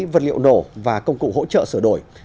vật liệu nổ và công cụ hỗ trợ sửa đổi